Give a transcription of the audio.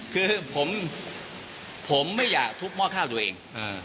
คือผมไม่อยากทุบหม้อข้าวตัวเอง